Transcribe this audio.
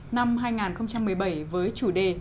năm hai nghìn một mươi bảy với chủ đề